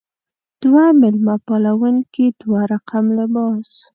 دوه میلمه پالونکې دوه رقم لباس.